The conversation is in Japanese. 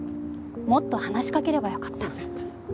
もっと話しかければよかった。